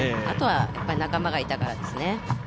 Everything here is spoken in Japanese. あとは仲間がいたからですね。